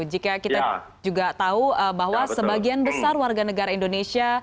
jika kita juga tahu bahwa sebagian besar warga negara indonesia